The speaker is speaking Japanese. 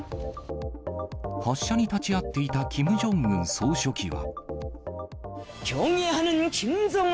発射に立ち会っていたキム・ジョンウン総書記は。